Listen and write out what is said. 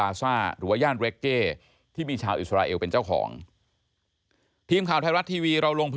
แล้วก็ไม่คุ้นชิน